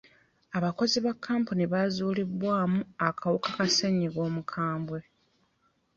Abakozi ba kampuni bazuulibwamu akawuka ka ssenyiga omukambwe.